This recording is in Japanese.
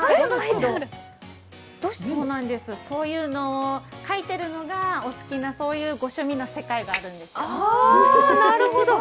そういうのを書いているのがお好きなご趣味の世界があるんですよ。